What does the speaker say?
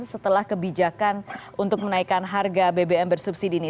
setelah kebijakan untuk menaikkan harga bbm bersubsidi ini